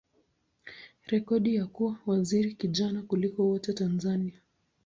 rekodi ya kuwa waziri kijana kuliko wote Tanzania.